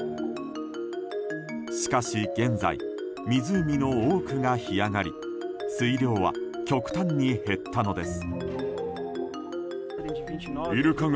しかし現在、湖の多くが干上がり水量は極端に減ったのです。